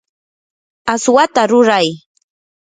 aswata ruray.